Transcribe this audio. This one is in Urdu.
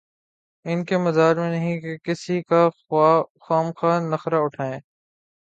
ان کے مزاج میں نہیں کہ کسی کا خواہ مخواہ نخرہ اٹھائیں۔